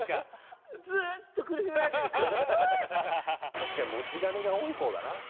確かに持ち金が多いほうだな。